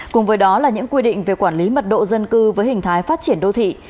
cùng với đó là những quy định về quản lý mật độ dân cư với hình thái phát triển đô thị